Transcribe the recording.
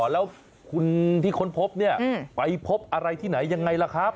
แล้วคุณที่ค้นพบเนี่ยไปพบอะไรที่ไหนยังไงล่ะครับ